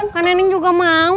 kan neneng juga mau